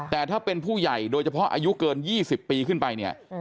แต่ถ้าเป็นผู้ใหญ่โดยเฉพาะอายุเกิน๒๐ปีขึ้นไปเนี่ย